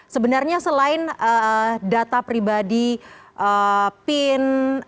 sebenarnya selain data pribadi pin